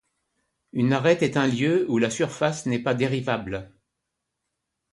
Une arête est un lieu où la surface n'est pas dérivable.